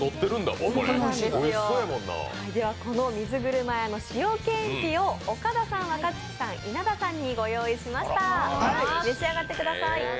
では、この水車亭の塩けんぴを岡田さん、若槻さん、稲田さんにご用意しました。